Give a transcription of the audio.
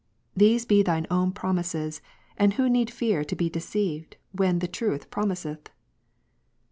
These be Thine own promises : and who need fear to be deceived, when the Truth promiseth